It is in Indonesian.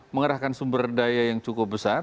mengerahkan sumber daya yang cukup besar